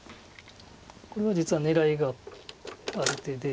これは実は狙いがある手で。